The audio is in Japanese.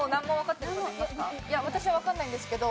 いや私はわかんないんですけど。